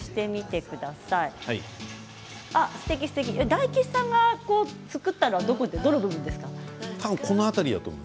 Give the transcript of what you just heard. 大吉さんが作ったのはどの辺りですか。